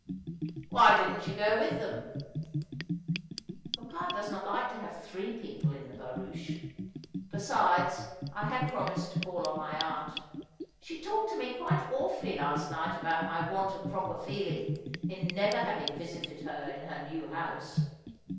' Why didn't you go with them ?'' Papa does not like to have three people in the barouche. Besides, I had promised to call on my aunt. She talked to me quite awfuUy last night about my want of proper feeling in never having visited her in her new house.'